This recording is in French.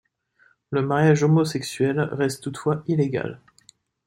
Le mariage homosexuel reste toutefois illégal.